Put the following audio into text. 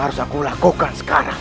kau sudah menguasai ilmu karang